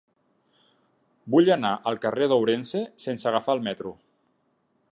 Vull anar al carrer d'Ourense sense agafar el metro.